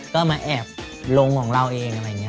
ก็มาแอบลงของเราเองอะไรอย่างนี้